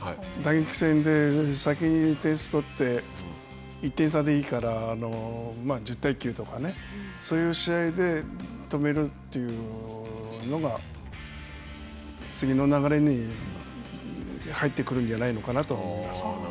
打撃戦で、先に点数を取って１点差でいいから１０対９とかねそういう試合で止めるというのが次の流れに入ってくるんじゃないのかなと思います。